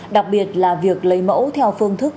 đặc biệt là việc lấy mẫu theo phương thức